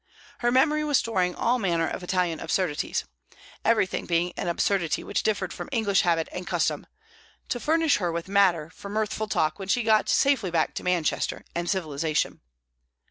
Her memory was storing all manner of Italian absurdities everything being an absurdity which differed from English habit and custom to furnish her with matter for mirthful talk when she got safely back to Manchester and civilization.